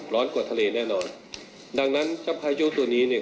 ร้อนกว่าทะเลแน่นอนดังนั้นเท่าไหร่ช่วงตัวนี้เนี่ย